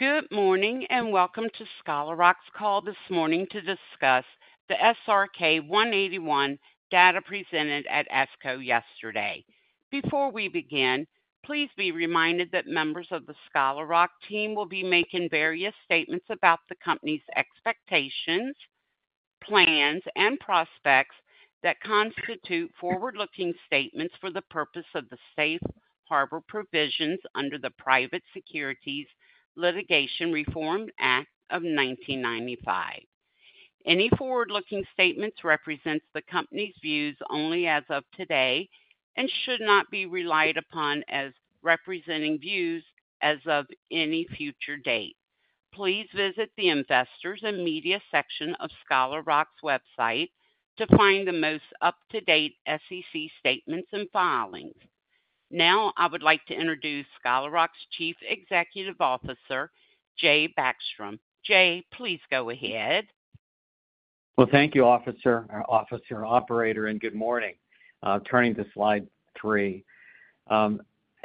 Good morning, and welcome to Scholar Rock's call this morning to discuss the SRK-181 data presented at ASCO yesterday. Before we begin, please be reminded that members of the Scholar Rock team will be making various statements about the company's expectations, plans, and prospects that constitute forward-looking statements for the purpose of the safe harbor provisions under the Private Securities Litigation Reform Act of 1995. Any forward-looking statements represents the company's views only as of today and should not be relied upon as representing views as of any future date. Please visit the Investors and Media section of Scholar Rock's website to find the most up-to-date SEC statements and filings. Now, I would like to introduce Scholar Rock's Chief Executive Officer, Jay Backstrom. Jay, please go ahead. Well, thank you, officer, officer, operator, and good morning. Turning to slide three.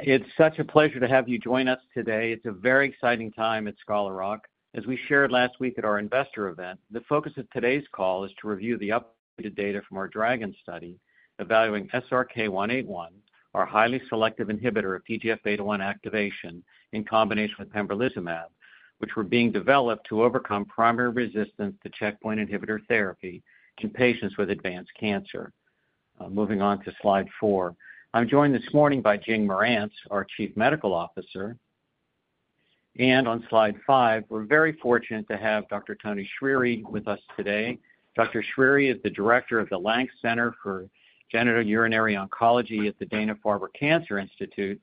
It's such a pleasure to have you join us today. It's a very exciting time at Scholar Rock. As we shared last week at our investor event, the focus of today's call is to review the updated data from our DRAGON study, evaluating SRK-181, our highly selective inhibitor of TGF-beta 1 activation in combination with pembrolizumab, which were being developed to overcome primary resistance to checkpoint inhibitor therapy in patients with advanced cancer. Moving on to slide four. I'm joined this morning by Jing Marantz, our Chief Medical Officer. And on slide five, we're very fortunate to have Dr. Toni Choueiri with us today. Dr. Choueiri is the director of the Lank Center for Genitourinary Oncology at the Dana-Farber Cancer Institute,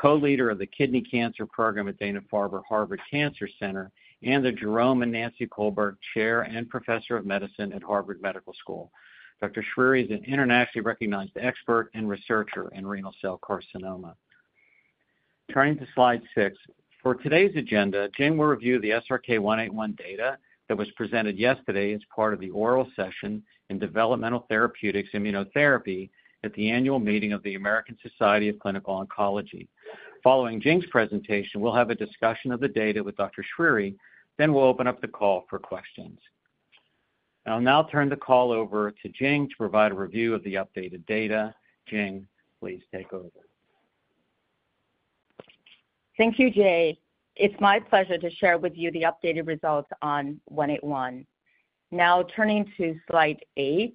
co-leader of the Kidney Cancer Program at Dana-Farber/Harvard Cancer Center, and the Jerome and Nancy Kohlberg Chair and Professor of Medicine at Harvard Medical School. Dr. Choueiri is an internationally recognized expert and researcher in renal cell carcinoma. Turning to Slide 6. For today's agenda, Jing will review the SRK-181 data that was presented yesterday as part of the oral session in Developmental Therapeutics Immunotherapy at the annual meeting of the American Society of Clinical Oncology. Following Jing's presentation, we'll have a discussion of the data with Dr. Choueiri, then we'll open up the call for questions. I'll now turn the call over to Jing to provide a review of the updated data. Jing, please take over. Thank you, Jay. It's my pleasure to share with you the updated results on 181. Turning to Slide 8.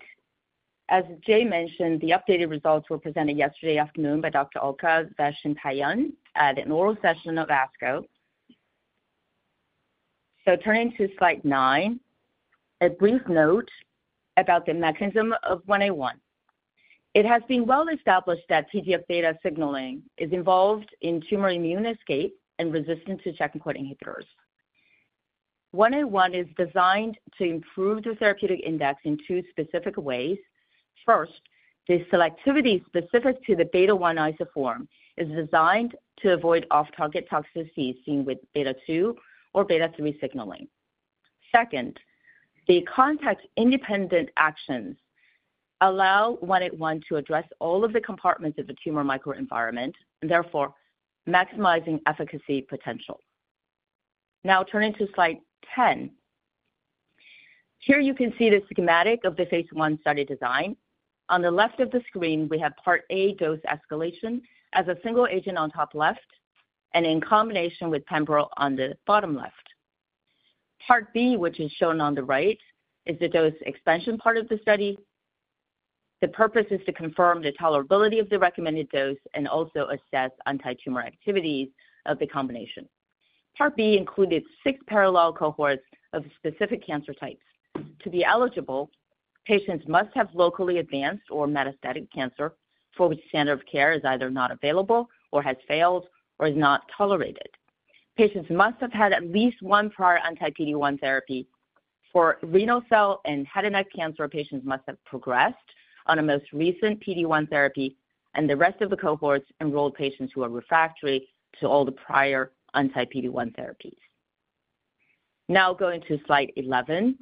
As Jay mentioned, the updated results were presented yesterday afternoon by Dr. Ulka Vaishampayan at an oral session of ASCO. Turning to Slide 9, a brief note about the mechanism of 181. It has been well established that TGF-beta signaling is involved in tumor immune escape and resistance to checkpoint inhibitors. 181 is designed to improve the therapeutic index in two specific ways. First, the selectivity specific to the beta 1 isoform is designed to avoid off-target toxicities seen with beta 2 or beta 3 signaling. Second, the contact-independent actions allow 181 to address all of the compartments of the tumor microenvironment, and therefore maximizing efficacy potential. Turning to Slide 10. Here you can see the schematic of the phase I study design. On the left of the screen, we have Part A, dose escalation as a single agent on top left and in combination with pembro on the bottom left. Part B, which is shown on the right, is the dose expansion part of the study. The purpose is to confirm the tolerability of the recommended dose and also assess antitumor activities of the combination. Part B included six parallel cohorts of specific cancer types. To be eligible, patients must have locally advanced or metastatic cancer, for which standard of care is either not available or has failed or is not tolerated. Patients must have had at least one prior anti-PD-1 therapy. For renal cell and head and neck cancer, patients must have progressed on a most recent PD-1 therapy, and the rest of the cohorts enrolled patients who are refractory to all the prior anti-PD-1 therapies. Now, going to Slide 11.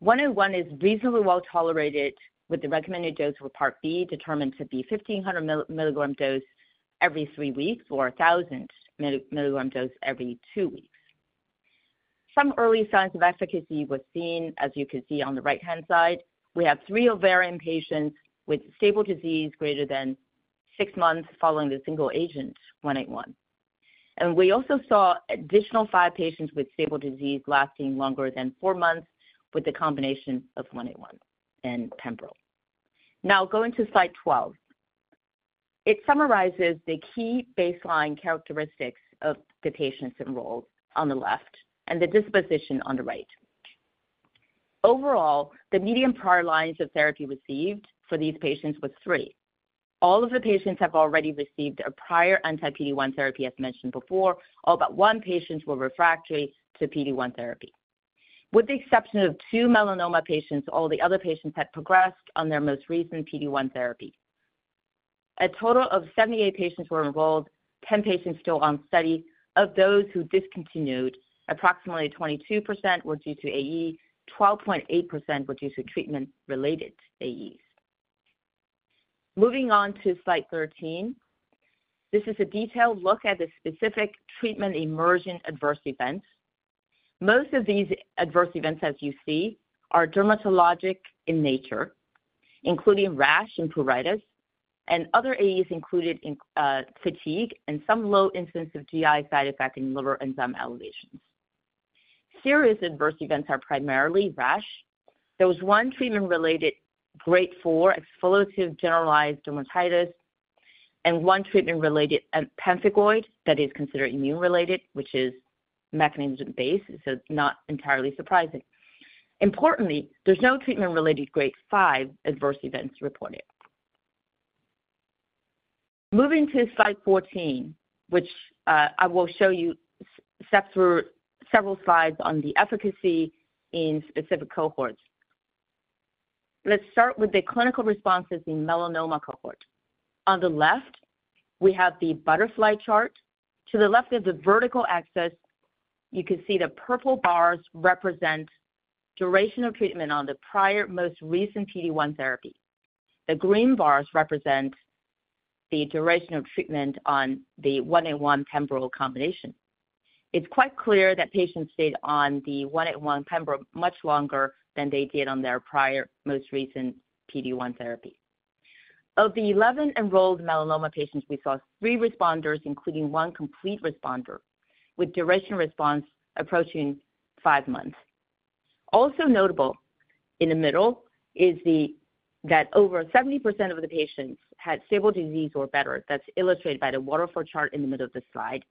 181 is reasonably well tolerated, with the recommended dose for Part B determined to be 1500 milligram dose every three weeks or a 1000 milligram dose every two weeks. Some early signs of efficacy was seen, as you can see on the right-hand side. We have 3 ovarian patients with stable disease greater than 6 months following the single agent, 181. We also saw additional 5 patients with stable disease lasting longer than 4 months with a combination of 181 and pembro. Now, going to Slide 12. It summarizes the key baseline characteristics of the patients enrolled on the left and the disposition on the right. Overall, the median prior lines of therapy received for these patients was 3. All of the patients have already received a prior anti-PD-1 therapy, as mentioned before. All but one patients were refractory to PD-1 therapy. With the exception of 2 melanoma patients, all the other patients had progressed on their most recent PD-1 therapy. A total of 78 patients were enrolled. 10 patients still on study. Of those who discontinued, approximately 22% were due to AE, 12.8% were due to treatment-related AEs. Moving on to Slide 13. This is a detailed look at the specific treatment-emergent adverse events. Most of these adverse events, as you see, are dermatologic in nature, including rash and pruritus, and other AEs including fatigue and some low incidence of GI side effects and liver enzyme elevations. Serious adverse events are primarily rash. There was 1 treatment-related Grade 4 exfoliative generalized dermatitis and 1 treatment-related pemphigoid that is considered immune-related, which is mechanism-based, so it's not entirely surprising. Importantly, there's no treatment-related Grade 5 adverse events reported. Moving to Slide 14, which I will step through several slides on the efficacy in specific cohorts. Let's start with the clinical responses in melanoma cohort. On the left, we have the butterfly chart. To the left of the vertical axis, you can see the purple bars represent duration of treatment on the prior most recent PD-1 therapy. The green bars represent the duration of treatment on the 181 pembro combination. It's quite clear that patients stayed on the 181 pembro much longer than they did on their prior most recent PD-1 therapy. Of the 11 enrolled melanoma patients, we saw three responders, including one complete responder, with duration response approaching five months. Also notable, in the middle, is that over 70% of the patients had stable disease or better. That's illustrated by the waterfall chart in the middle of the slide.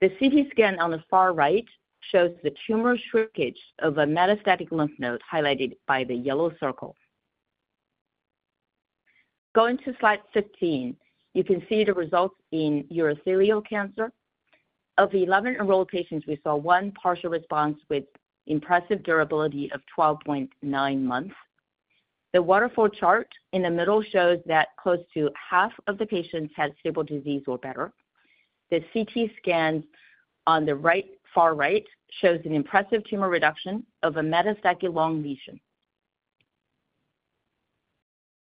The CT scan on the far right shows the tumor shrinkage of a metastatic lymph node, highlighted by the yellow circle. Going to Slide 15, you can see the results in urothelial cancer. Of the 11 enrolled patients, we saw one partial response with impressive durability of 12.9 months. The waterfall chart in the middle shows that close to half of the patients had stable disease or better. The CT scan on the right, far right, shows an impressive tumor reduction of a metastatic lung lesion.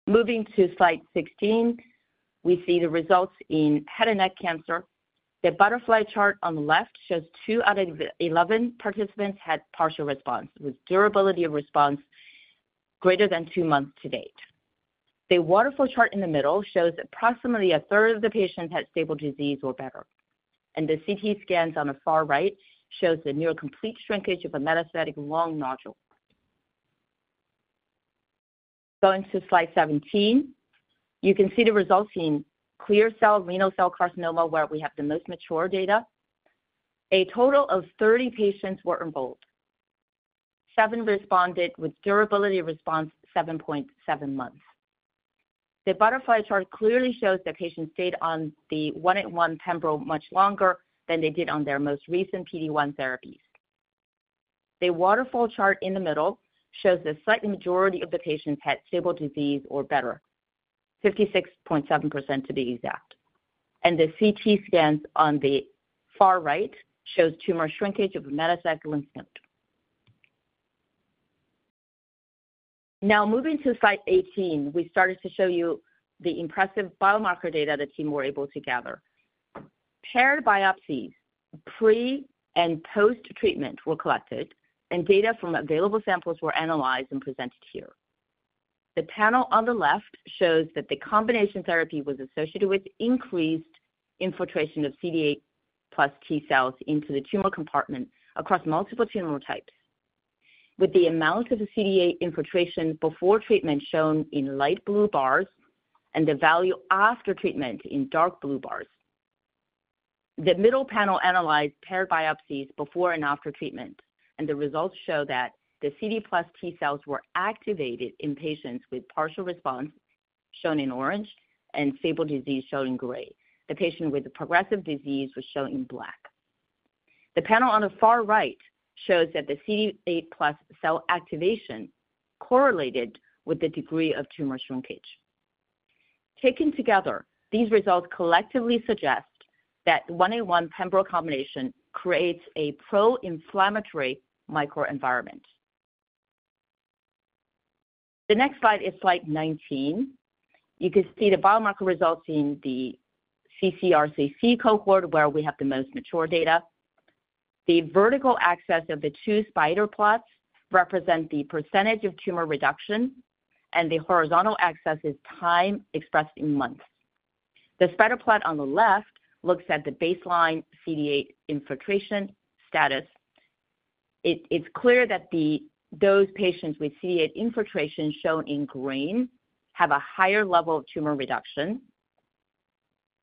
Moving to Slide 16, we see the results in head and neck cancer. The butterfly chart on the left shows two out of the 11 participants had partial response, with durability of response greater than two months to date. The waterfall chart in the middle shows approximately a third of the patients had stable disease or better, and the CT scans on the far right shows the near complete shrinkage of a metastatic lung nodule. Going to Slide 17, you can see the results in clear cell renal cell carcinoma, where we have the most mature data. A total of 30 patients were enrolled. 7 responded with durability of response, 7.7 months. The butterfly chart clearly shows that patients stayed on the SRK-181 pembro much longer than they did on their most recent PD-1 therapies. The waterfall chart in the middle shows a slight majority of the patients had stable disease or better, 56.7% to be exact. The CT scans on the far right shows tumor shrinkage of a metastatic lymph node. Now, moving to Slide 18, we started to show you the impressive biomarker data the team were able to gather. Paired biopsies, pre- and post-treatment, were collected, and data from available samples were analyzed and presented here. The panel on the left shows that the combination therapy was associated with increased infiltration of CD8+ T cells into the tumor compartment across multiple tumor types, with the amount of the CD8 infiltration before treatment shown in light blue bars and the value after treatment in dark blue bars. The middle panel analyzed paired biopsies before and after treatment, and the results show that the CD8+ T cells were activated in patients with partial response, shown in orange, and stable disease, shown in gray. The patient with progressive disease was shown in black. The panel on the far right shows that the CD8+ cell activation correlated with the degree of tumor shrinkage. Taken together, these results collectively suggest that 181 pembro combination creates a pro-inflammatory microenvironment. The next slide is Slide 19. You can see the biomarker results in the ccRCC cohort, where we have the most mature data. The vertical axis of the two spider plots represent the percentage of tumor reduction, and the horizontal axis is time expressed in months. The spider plot on the left looks at the baseline CD8 infiltration status. It's clear that those patients with CD8 infiltration, shown in green, have a higher level of tumor reduction,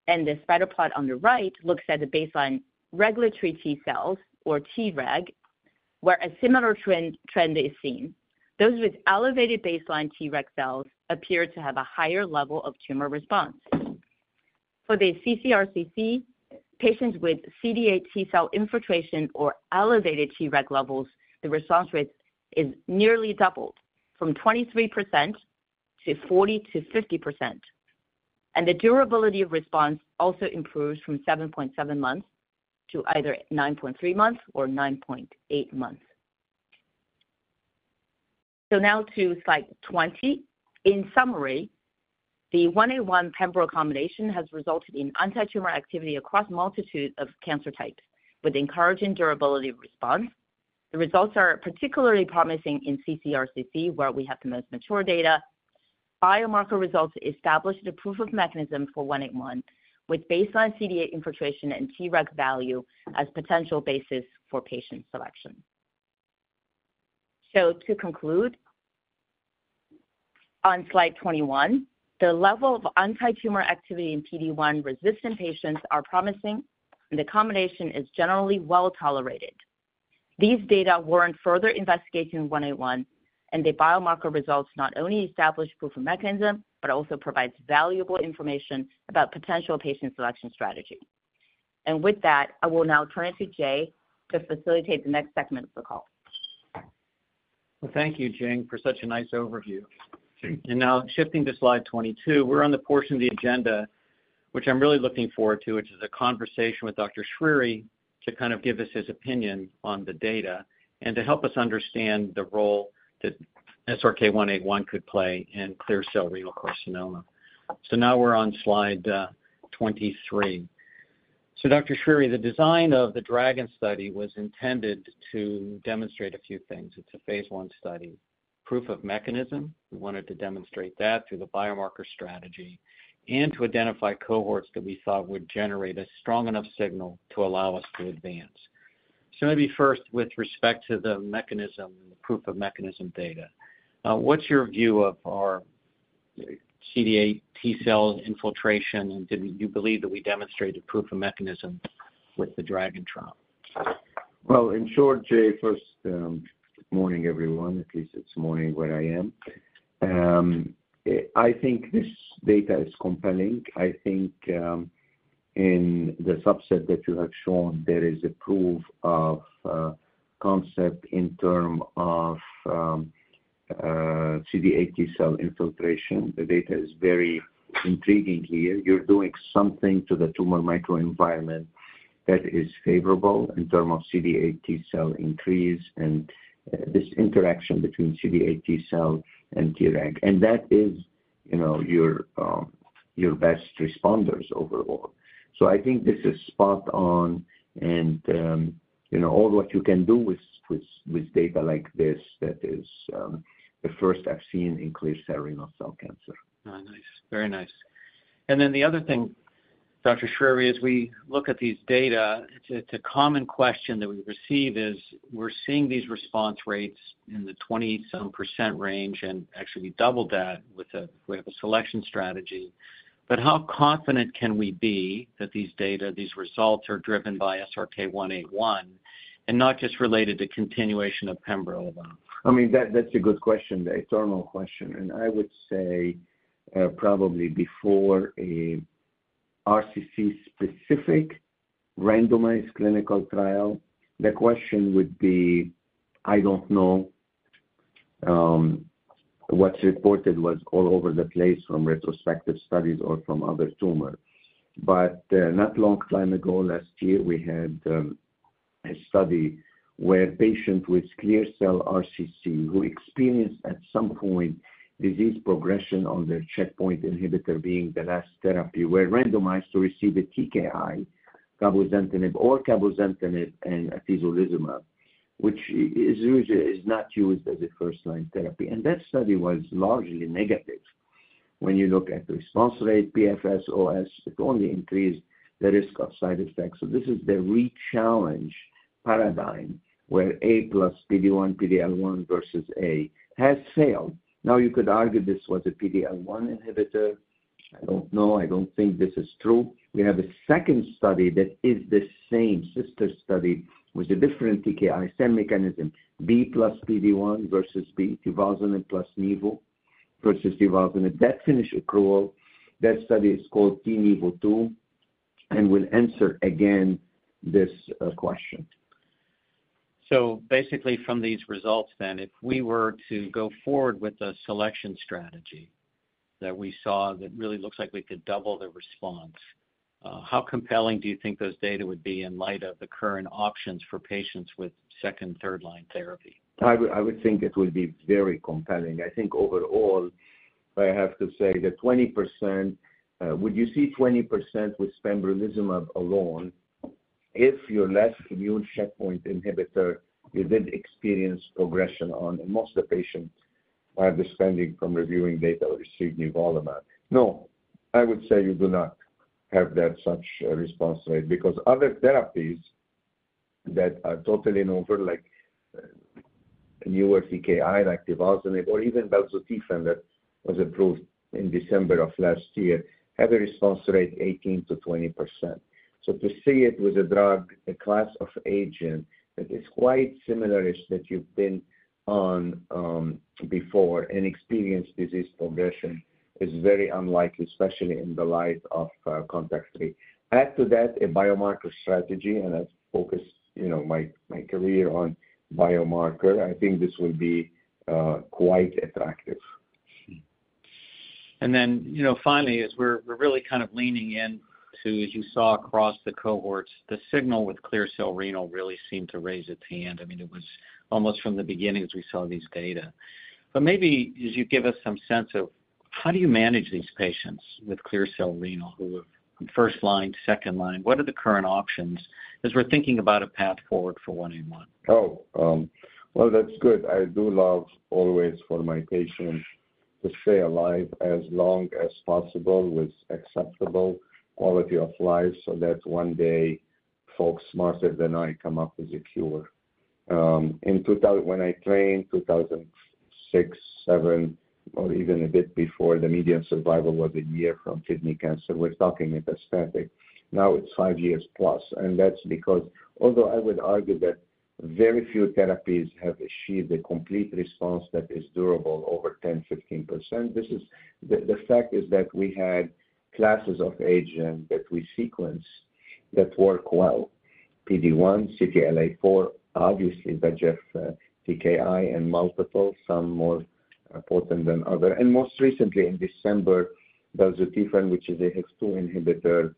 and the spider plot on the right looks at the baseline regulatory T cells, or Treg, where a similar trend is seen. Those with elevated baseline Treg cells appear to have a higher level of tumor response. For the ccRCC, patients with CD8 T cell infiltration or elevated Treg levels, the response rate is nearly doubled from 23% to 40%-50%, and the durability of response also improves from 7.7 months to either 9.3 months or 9.8 months.... So now to slide 20. In summary, the 181 pembro combination has resulted in antitumor activity across multitude of cancer types with encouraging durability of response. The results are particularly promising in ccRCC, where we have the most mature data. Biomarker results established a proof of mechanism for 181, with baseline CD8 infiltration and Treg value as potential basis for patient selection. So to conclude, on slide 21, the level of antitumor activity in PD-1-resistant patients are promising, and the combination is generally well tolerated. These data warrant further investigation in SRK-181, and the biomarker results not only establish proof of mechanism, but also provides valuable information about potential patient selection strategy. With that, I will now turn it to Jay to facilitate the next segment of the call. Well, thank you, Jing, for such a nice overview. Now shifting to slide 22, we're on the portion of the agenda, which I'm really looking forward to, which is a conversation with Dr. Choueiri to kind of give us his opinion on the data and to help us understand the role that SRK-181 could play in clear cell renal cell carcinoma. So now we're on slide 23. So Dr. Choueiri, the design of the DRAGON study was intended to demonstrate a few things. It's a phase I study, proof of mechanism. We wanted to demonstrate that through the biomarker strategy and to identify cohorts that we thought would generate a strong enough signal to allow us to advance. So maybe first, with respect to the mechanism and the proof of mechanism data, what's your view of our CD8+ T cell infiltration? Do you believe that we demonstrated proof of mechanism with the DRAGON trial? Well, in short, Jay, first, good morning, everyone. At least it's morning where I am. I think this data is compelling. I think, in the subset that you have shown, there is a proof of concept in terms of CD8 T cell infiltration. The data is very intriguing here. You're doing something to the tumor microenvironment that is favorable in terms of CD8 T cell increase and this interaction between CD8 T cell and Treg. And that is, you know, your best responders overall. So I think this is spot on and, you know, all what you can do with data like this, that is the first I've seen in clear cell renal cell cancer. Ah, nice. Very nice. And then the other thing, Dr. Choueiri, as we look at these data, it's a, it's a common question that we receive is, we're seeing these response rates in the 20-some% range, and actually we doubled that with a, with a selection strategy. But how confident can we be that these data, these results, are driven by SRK-181 and not just related to continuation of pembrolizumab? I mean, that, that's a good question, a normal question, and I would say, probably before a RCC-specific randomized clinical trial, the question would be, I don't know. What's reported was all over the place from retrospective studies or from other tumors. But, not long time ago, last year, we had a study where patients with clear cell RCC, who experienced at some point disease progression on their checkpoint inhibitor being the last therapy, were randomized to receive a TKI, cabozantinib or cabozantinib and atezolizumab, which usually is not used as a first-line therapy. And that study was largely negative. When you look at the response rate, PFS, OS, it only increased the risk of side effects. So this is the rechallenge paradigm, where A plus PD-1, PD-L1 versus A has failed. Now, you could argue this was a PD-L1 inhibitor. I don't know. I don't think this is true. We have a second study that is the same sister study with a different TKI, same mechanism, B plus PD-1 versus B, nivolumab plus nivo versus nivolumab. That finished accrual. That study is called TiNivo-2 and will answer again this question. So basically, from these results then, if we were to go forward with the selection strategy that we saw, that really looks like we could double the response, how compelling do you think those data would be in light of the current options for patients with second, third line therapy? I would, I would think it would be very compelling. I think overall, I have to say that 20%, would you see 20% with pembrolizumab alone if your last immune checkpoint inhibitor, you did experience progression on, and most of the patients, by understanding from reviewing data, received nivolumab? No, I would say you do not have that such a response rate because other therapies that are totally known for, like, a newer TKI, like tivozanib or even belzutifan, that was approved in December of last year, have a response rate 18%-20%. So to see it with a drug, a class of agent that is quite similar as that you've been on, before and experienced disease progression, is very unlikely, especially in the light of CONTACT-03. Add to that a biomarker strategy, and I've focused, you know, my career on biomarker. I think this will be quite attractive.... And then, you know, finally, as we're really kind of leaning into, as you saw across the cohorts, the signal with clear cell renal really seemed to raise its hand. I mean, it was almost from the beginning as we saw these data. But maybe as you give us some sense of how do you manage these patients with clear cell renal who are first line, second line? What are the current options as we're thinking about a path forward for 181? Oh, well, that's good. I do love always for my patients to stay alive as long as possible with acceptable quality of life, so that one day folks smarter than I come up with a cure. When I trained, 2006, 2007, or even a bit before, the median survival was a year from kidney cancer. We're talking metastatic. Now it's five years plus, and that's because although I would argue that very few therapies have achieved a complete response that is durable over 10, 15%, this is the fact is that we had classes of agent that we sequence that work well. PD-1, CTLA-4, obviously, VEGF TKI and multiple, some more potent than other. And most recently, in December, pazopanib, which is a HIF-2 inhibitor,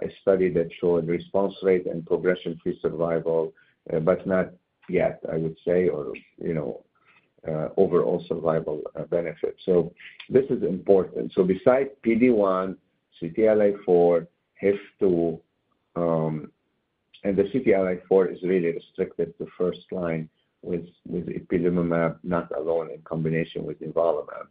a study that showed response rate and progression-free survival, but not yet, I would say, or, you know, overall survival benefit. So this is important. So besides PD-1, CTLA-4, HIF-2, and the CTLA-4 is really restricted to first line with, with ipilimumab, not alone, in combination with nivolumab.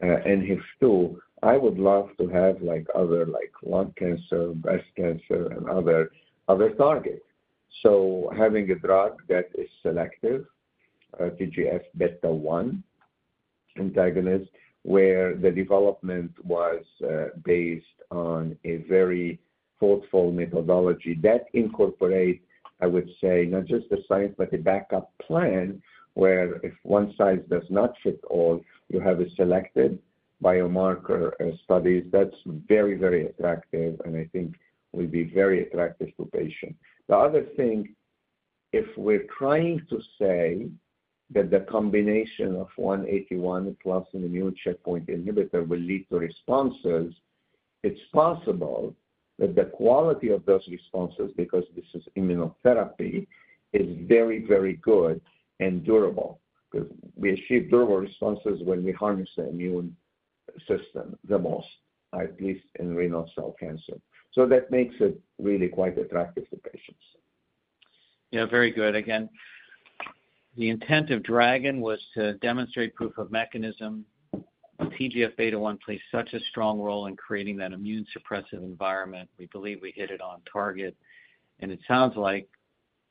And HIF-2, I would love to have like other, like lung cancer, breast cancer, and other, other targets. So having a drug that is selective, TGF-beta 1 antagonist, where the development was, based on a very thoughtful methodology that incorporate, I would say, not just the science, but a backup plan, where if one size does not fit all, you have a selected biomarker studies. That's very, very attractive and I think will be very attractive to patients. The other thing, if we're trying to say that the combination of 181 plus an immune checkpoint inhibitor will lead to responses, it's possible that the quality of those responses, because this is immunotherapy, is very, very good and durable. Because we achieve durable responses when we harness the immune system the most, at least in renal cell cancer. So that makes it really quite attractive to patients. Yeah, very good. Again, the intent of DRAGON was to demonstrate proof of mechanism. TGF-beta 1 plays such a strong role in creating that immune suppressive environment. We believe we hit it on target, and it sounds like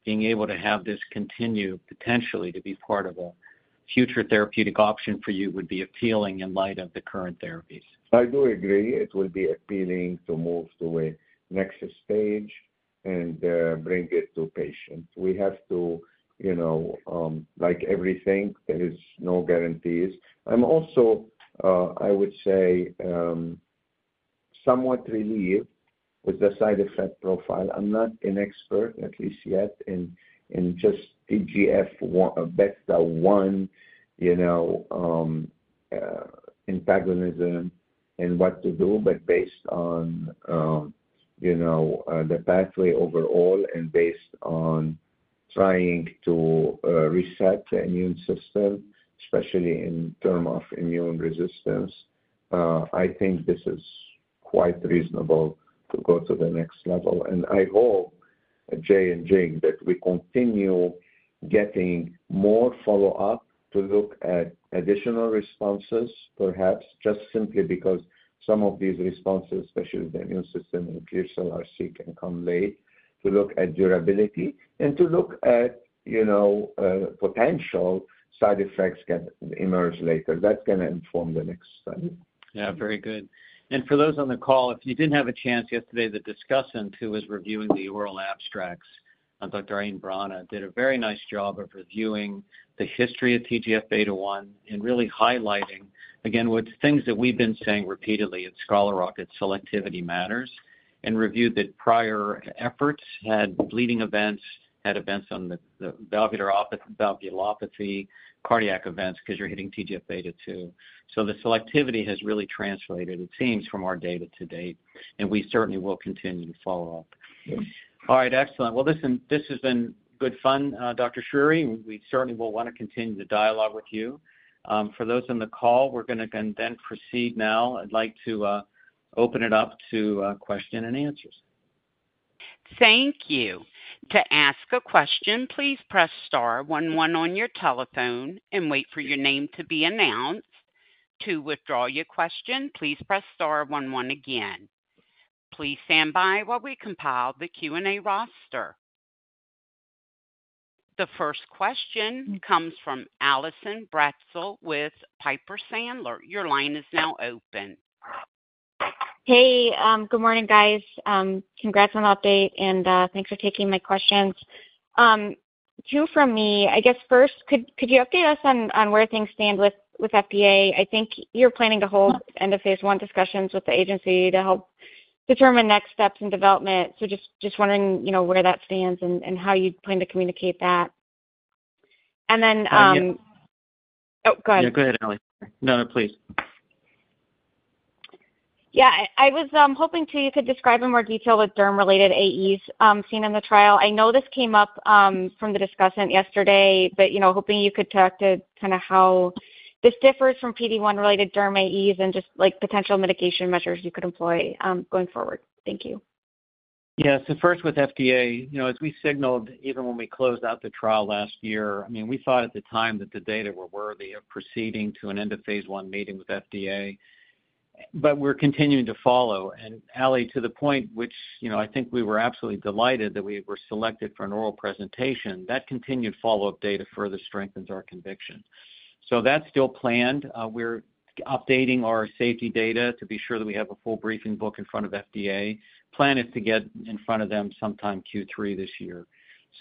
being able to have this continue potentially to be part of a future therapeutic option for you would be appealing in light of the current therapies. I do agree it will be appealing to move to a next stage and, bring it to patients. We have to, you know, like everything, there is no guarantees. I'm also, I would say, somewhat relieved with the side effect profile. I'm not an expert, at least yet, in, in just TGF-beta 1, you know, antagonism and what to do, but based on, you know, the pathway overall and based on trying to, reset the immune system, especially in term of immune resistance, I think this is quite reasonable to go to the next level. And I hope, Jay and Jing, that we continue getting more follow-up to look at additional responses, perhaps just simply because some of these responses, especially with the immune system in clear cell RC, can come late, to look at durability and to look at, you know, potential side effects can emerge later. That's gonna inform the next study. Yeah, very good. And for those on the call, if you didn't have a chance yesterday, the discussant who was reviewing the oral abstracts, Dr. Irene Brana, did a very nice job of reviewing the history of TGF-beta 1 and really highlighting, again, with things that we've been saying repeatedly at Scholar Rock, that selectivity matters, and reviewed that prior efforts had bleeding events, had events on the valvular valvulopathy, cardiac events, because you're hitting TGF-beta 2. So the selectivity has really translated, it seems, from our data to date, and we certainly will continue to follow up. All right, excellent. Well, listen, this has been good fun, Dr. Choueiri. We certainly will want to continue the dialogue with you. For those on the call, we're gonna then proceed now. I'd like to open it up to question and answers. Thank you. To ask a question, please press star one one on your telephone and wait for your name to be announced. To withdraw your question, please press star one one again. Please stand by while we compile the Q&A roster. The first question comes from Allison Bratzel with Piper Sandler. Your line is now open. Hey, good morning, guys. Congrats on the update, and thanks for taking my questions. Two from me. I guess first, could you update us on where things stand with FDA? I think you're planning to hold end of phase I discussions with the agency to help determine next steps in development. So just wondering, you know, where that stands and how you plan to communicate that? And then, Uh, yeah. Oh, go ahead. Yeah, go ahead, Ally. No, no, please. Yeah, I was hoping to you could describe in more detail the derm-related AEs seen in the trial. I know this came up from the discussant yesterday, but you know, hoping you could talk to kind of how this differs from PD-1-related derm AEs and just like, potential mitigation measures you could employ going forward. Thank you. Yeah. So first with FDA, you know, as we signaled, even when we closed out the trial last year, I mean, we thought at the time that the data were worthy of proceeding to an end of phase I meeting with FDA, but we're continuing to follow. And Ally, to the point which, you know, I think we were absolutely delighted that we were selected for an oral presentation, that continued follow-up data further strengthens our conviction. So that's still planned. We're updating our safety data to be sure that we have a full briefing book in front of FDA. Plan is to get in front of them sometime Q3 this year.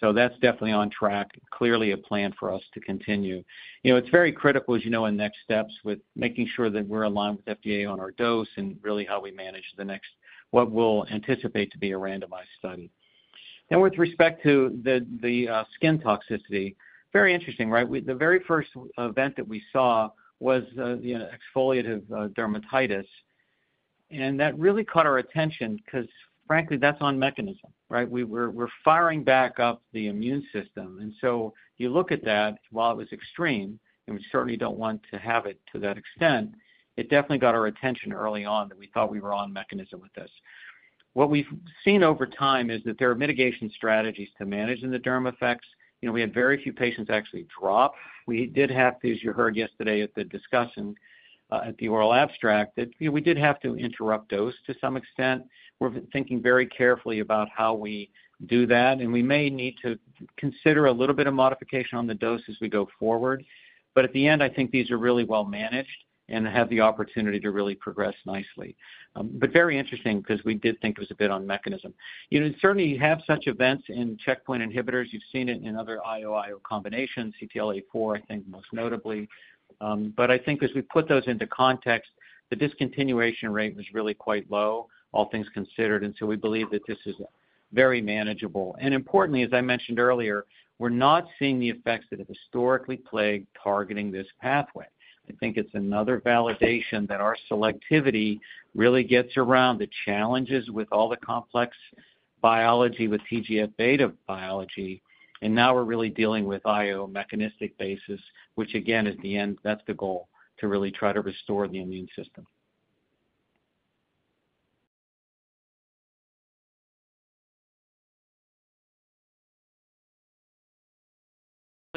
So that's definitely on track, clearly a plan for us to continue. You know, it's very critical, as you know, in next steps with making sure that we're aligned with FDA on our dose and really how we manage the next... What we'll anticipate to be a randomized study. Now, with respect to the skin toxicity, very interesting, right? The very first event that we saw was, you know, exfoliative dermatitis, and that really caught our attention because, frankly, that's on mechanism, right? We're firing back up the immune system, and so you look at that, while it was extreme, and we certainly don't want to have it to that extent, it definitely got our attention early on that we thought we were on mechanism with this. What we've seen over time is that there are mitigation strategies to managing the derm effects. You know, we had very few patients actually drop. We did have to, as you heard yesterday at the discussion, at the oral abstract, that, you know, we did have to interrupt dose to some extent. We're thinking very carefully about how we do that, and we may need to consider a little bit of modification on the dose as we go forward. But at the end, I think these are really well managed and have the opportunity to really progress nicely. But very interesting because we did think it was a bit on mechanism. You know, certainly you have such events in checkpoint inhibitors. You've seen it in other IO/IO combinations, CTLA-4, I think most notably. But I think as we put those into context, the discontinuation rate was really quite low, all things considered, and so we believe that this is very manageable. Importantly, as I mentioned earlier, we're not seeing the effects that have historically plagued targeting this pathway. I think it's another validation that our selectivity really gets around the challenges with all the complex biology, with TGF-beta biology, and now we're really dealing with IO mechanistic basis, which again is the end, that's the goal, to really try to restore the immune system.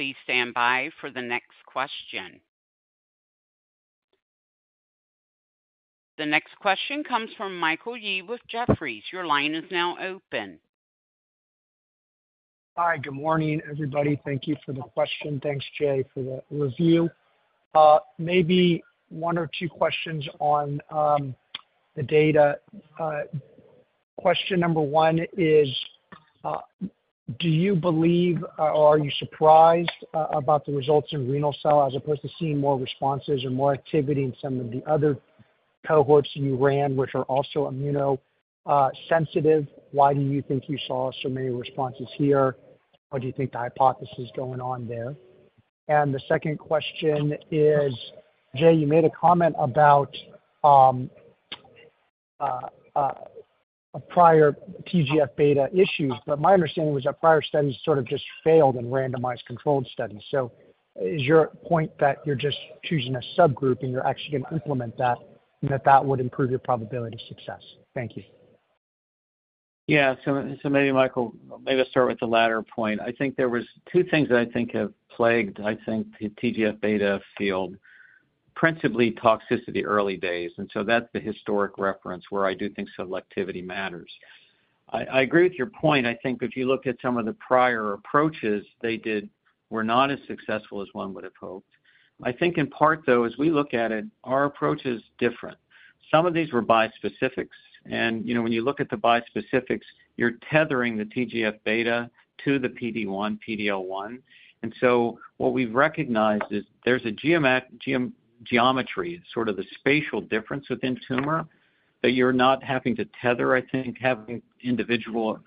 Please stand by for the next question. The next question comes from Michael Yee with Jefferies. Your line is now open. Hi, good morning, everybody. Thank you for the question. Thanks, Jay, for the review. Maybe 1 or 2 questions on the data. Question number 1 is, do you believe or are you surprised about the results in renal cell as opposed to seeing more responses or more activity in some of the other cohorts you ran, which are also immunosensitive? Why do you think you saw so many responses here, or do you think the hypothesis is going on there? The second question is, Jay, you made a comment about a prior TGF-beta issues, but my understanding was that prior studies sort of just failed in randomized controlled studies. So is your point that you're just choosing a subgroup, and you're actually going to implement that, and that that would improve your probability of success? Thank you. Yeah. So maybe Michael, maybe I'll start with the latter point. I think there was two things that I think have plagued, I think, the TGF-beta field, principally toxicity early days, and so that's the historic reference where I do think selectivity matters. I agree with your point. I think if you look at some of the prior approaches they did were not as successful as one would have hoped. I think in part, though, as we look at it, our approach is different. Some of these were bispecifics, and, you know, when you look at the bispecifics, you're tethering the TGF-beta to the PD-1, PD-L1. And so what we've recognized is there's a geometry, sort of the spatial difference within tumor, that you're not having to tether, I think. Having individual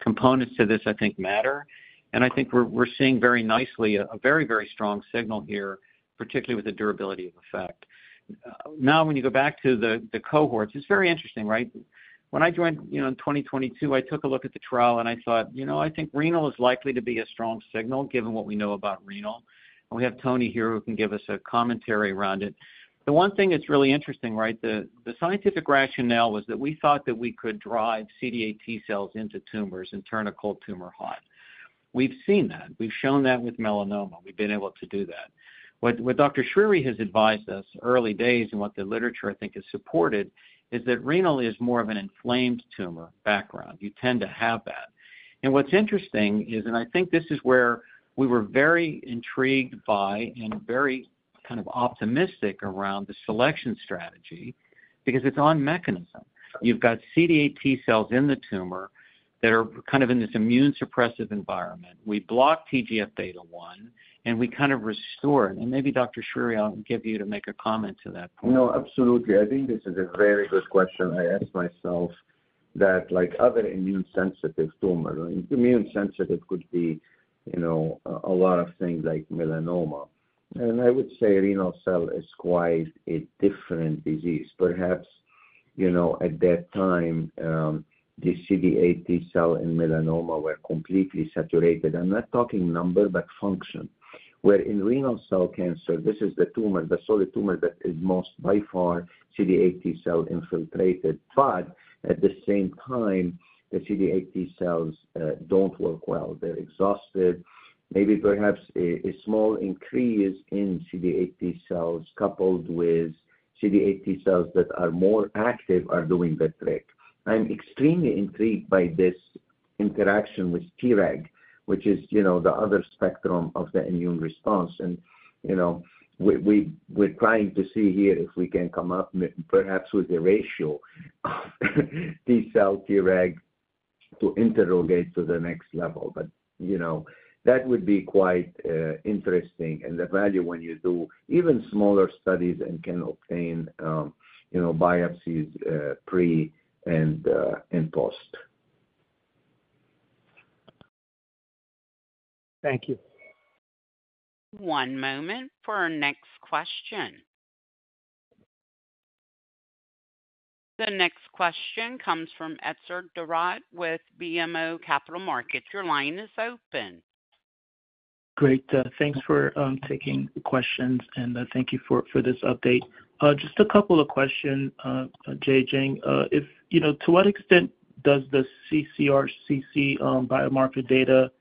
components to this I think matter, and I think we're seeing very nicely a very, very strong signal here, particularly with the durability of effect. Now, when you go back to the cohorts, it's very interesting, right? When I joined, you know, in 2022, I took a look at the trial and I thought, "You know, I think renal is likely to be a strong signal, given what we know about renal." And we have Tony here, who can give us a commentary around it. The one thing that's really interesting, right, the scientific rationale was that we thought that we could drive CD8 T-cells into tumors and turn a cold tumor hot. We've seen that. We've shown that with melanoma. What Dr. Choueiri has advised us early days, and what the literature, I think, has supported, is that renal is more of an inflamed tumor background. You tend to have that. And what's interesting is, and I think this is where we were very intrigued by and very kind of optimistic around the selection strategy, because it's on mechanism. You've got CD8 T-cells in the tumor that are kind of in this immune suppressive environment. We block TGF-beta 1, and we kind of restore it. And maybe Dr. Choueiri, I'll give you to make a comment to that point. No, absolutely. I think this is a very good question I asked myself that like other immune-sensitive tumor, immune-sensitive could be, you know, a lot of things like melanoma. And I would say renal cell is quite a different disease. Perhaps, you know, at that time, the CD8 T cell in melanoma were completely saturated. I'm not talking number, but function. Where in renal cell cancer, this is the tumor, the solid tumor that is most by far CD8 T cell infiltrated. But at the same time, the CD8 T cells don't work well. They're exhausted, maybe perhaps a small increase in CD8 T cells, coupled with CD8 T cells that are more active, are doing the trick. I'm extremely intrigued by this interaction with Treg, which is, you know, the other spectrum of the immune response. You know, we're trying to see here if we can come up perhaps with a ratio, T cell, Treg to interrogate to the next level. But, you know, that would be quite interesting, and the value when you do even smaller studies and can obtain, you know, biopsies pre and post. Thank you. One moment for our next question. The next question comes from Etzer Darout with BMO Capital Markets. Your line is open. Great, thanks for taking the questions, and thank you for this update. Just a couple of question, JJ. If, you know, to what extent does the ccRCC biomarker data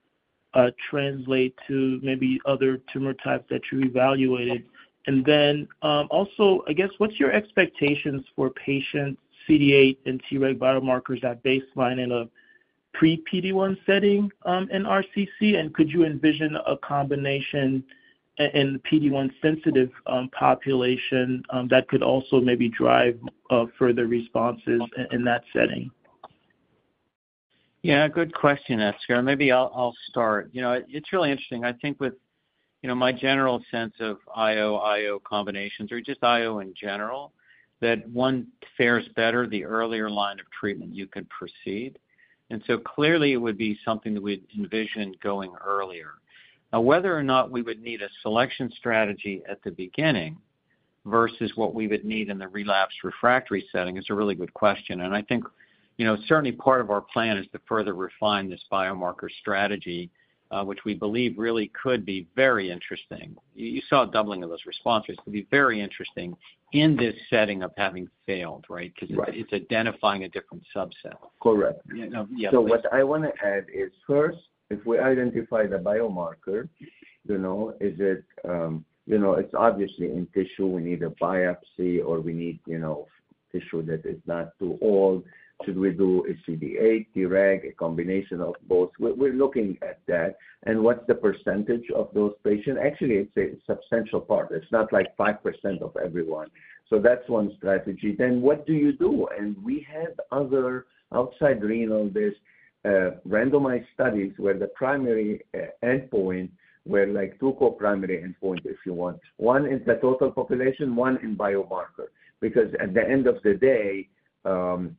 translate to maybe other tumor types that you evaluated? And then, also, I guess, what's your expectations for patient CD8 and Treg biomarkers at baseline in a pre-PD-1 setting in RCC? And could you envision a combination in PD-1-sensitive population that could also maybe drive further responses in that setting? Yeah, good question, Ehsan. Maybe I'll start. You know, it's really interesting. I think with, you know, my general sense of IO, IO combinations, or just IO in general, that one fares better the earlier line of treatment you could proceed. And so clearly it would be something that we'd envision going earlier. Now, whether or not we would need a selection strategy at the beginning versus what we would need in the relapsed refractory setting is a really good question. And I think, you know, certainly part of our plan is to further refine this biomarker strategy, which we believe really could be very interesting. You saw a doubling of those responses. Could be very interesting in this setting of having failed, right? Right. 'Cause it's identifying a different subset. Correct. Yeah, no. Yeah, please. So what I wanna add is, first, if we identify the biomarker, you know, is it, you know, it's obviously in tissue. We need a biopsy or we need, you know, tissue that is not too old. Should we do a CD8, Treg, a combination of both? We're looking at that. And what's the percentage of those patients? Actually, it's a substantial part. It's not like 5% of everyone. So that's one strategy. Then what do you do? And we have other, outside renal, there's randomized studies where the primary endpoint were like 2 co-primary endpoints, if you want. One in the total population, one in biomarker. Because at the end of the day,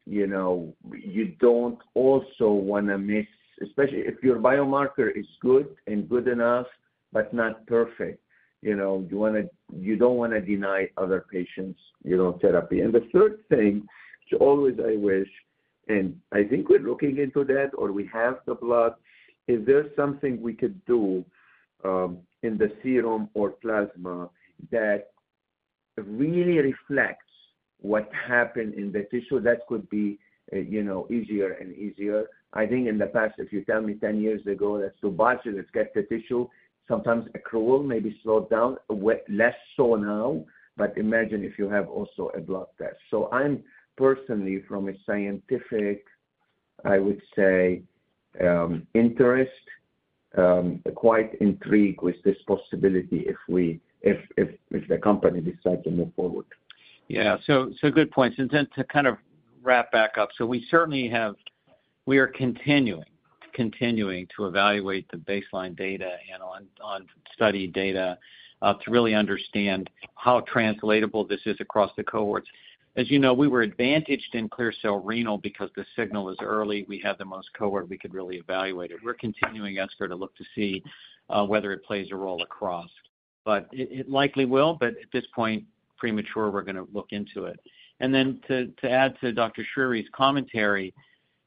you know, you don't also wanna miss... Especially if your biomarker is good and good enough, but not perfect, you know, you wanna you don't wanna deny other patients, you know, therapy. And the third thing, which always I wish, and I think we're looking into that, or we have the blood, is there something we could do in the serum or plasma that really reflects what happened in the tissue? That could be, you know, easier and easier. I think in the past, if you tell me 10 years ago, let's do biopsy, let's get the tissue, sometimes accrual, maybe slow down, less so now, but imagine if you have also a blood test. So I'm personally, from a scientific, I would say, interest, quite intrigued with this possibility if, if, if the company decides to move forward. Yeah. So good points. And then to kind of wrap back up, so we certainly have—we are continuing to evaluate the baseline data and on study data to really understand how translatable this is across the cohorts. As you know, we were advantaged in clear cell renal because the signal is early. We had the most cohort we could really evaluate it. We're continuing, Ehsan, to look to see whether it plays a role across. But it likely will, but at this point, premature, we're gonna look into it. And then to add to Dr. Choueiri's commentary,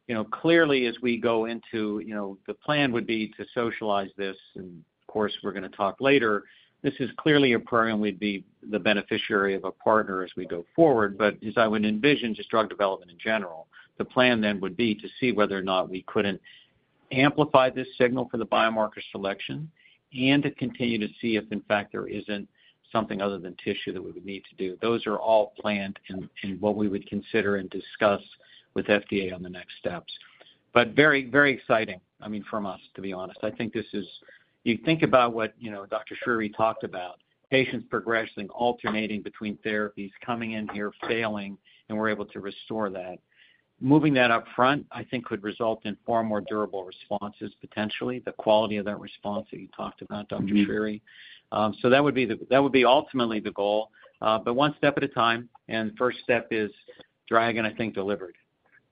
you know, clearly as we go into, you know, the plan would be to socialize this, and of course, we're gonna talk later. This is clearly a program we'd be the beneficiary of a partner as we go forward, but as I would envision, just drug development in general, the plan then would be to see whether or not we couldn't amplify this signal for the biomarker selection and to continue to see if, in fact, there isn't something other than tissue that we would need to do. Those are all planned and what we would consider and discuss with FDA on the next steps. But very, very exciting, I mean, from us, to be honest. I think this is... You think about what, you know, Dr. Choueiri talked about, patients progressing, alternating between therapies, coming in here, failing, and we're able to restore that. Moving that up front, I think, could result in far more durable responses, potentially. The quality of that response that you talked about, Dr. Choueiri. Mm-hmm. So that would be ultimately the goal, but one step at a time, and first step is DRAGON, I think, delivered.